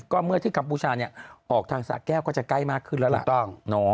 ก็เมื่อที่กัมพูชาออกทางสะแก้วก็จะใกล้มากขึ้นแล้วล่ะ